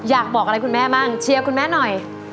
อยากบอกอะไรคุณแม่บ้างเชียร์คุณแม่หน่อย